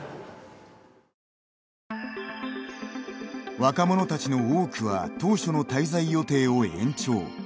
若者たちの多くは当初の滞在予定を延長。